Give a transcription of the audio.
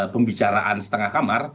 pembicaraan setengah kamar